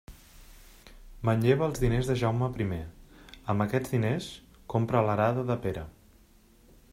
Manlleva els diners de Jaume i, amb aquests diners, compra l'arada de Pere.